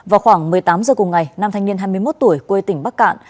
vào khoảng một mươi tám h cùng ngày năm thanh niên hai mươi một tuổi quê tỉnh bắc cạn